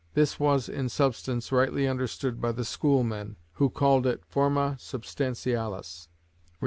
This was in substance rightly understood by the schoolmen, who called it forma substantialis. (Cf.